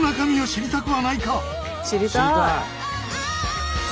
知りたい。